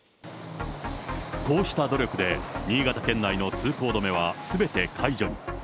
こうした努力で、新潟県内の通行止めはすべて解除に。